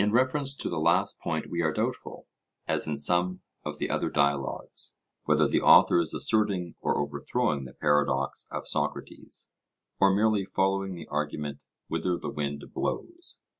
In reference to the last point we are doubtful, as in some of the other dialogues, whether the author is asserting or overthrowing the paradox of Socrates, or merely following the argument 'whither the wind blows.'